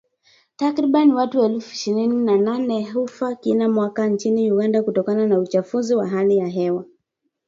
Takriban watu elfu ishirini na nane hufa kila mwaka nchini Uganda kutokana na uchafuzi wa hali ya hewa